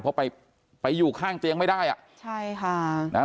เพราะไปอยู่ข้างเตียงไม่ได้อะ